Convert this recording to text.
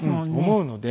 思うので。